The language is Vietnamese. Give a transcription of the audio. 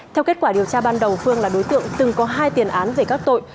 theo kết quả điều tra ban đầu phương là đối tượng từng có hai tiền án về các tội